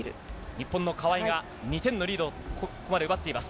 日本の川井が２点のリードをここまで奪っています。